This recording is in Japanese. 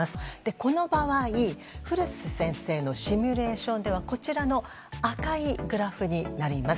この場合、古瀬先生のシミュレーションではこちらの赤いグラフになります。